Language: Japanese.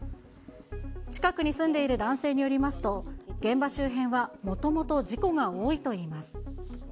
近くに住んでいる男性によりますと、現場周辺はもともと事故が多いといいます。